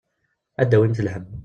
Ad d-tawimt lhemm.